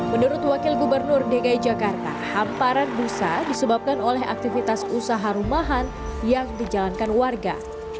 menurut wakil gubernur dki jakarta hamparan busa disebabkan oleh aktivitas usaha rumahan yang dijalankan warga